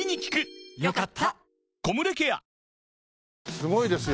すごいですよ